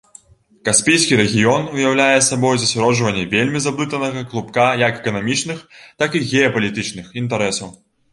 Каспійскі рэгіён уяўляе сабою засяроджванне вельмі заблытанага клубка як эканамічных, так і геапалітычных інтарэсаў.